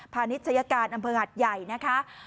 ณิชยการอำเภอหัดใหญ่นะคะ